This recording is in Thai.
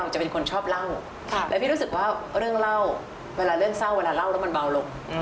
เวลาเรื่องเศร้าเวลาเล่าแล้วมันเบาลง